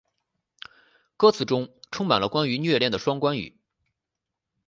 歌词中充满了关于虐恋的双关语。